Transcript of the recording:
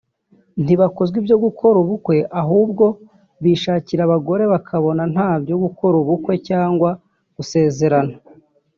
ntibakozwa ibyo gukora ubukwe ahubwo bishakira abagore bakabana ntabyo gukora ubukwe cyangwa gusezerana